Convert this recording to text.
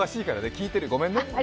聞いてる、ごめんごめん。